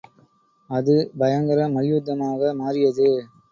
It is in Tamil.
அது பயங்கர மல்யுத்தமாக மாறியது.